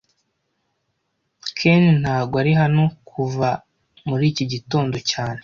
Ken ntago ari hano kuva muri iki gitondo cyane